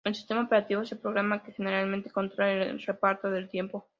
El sistema operativo es el programa que generalmente controla el reparto del tiempo.